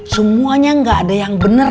semuanya gak ada yang bener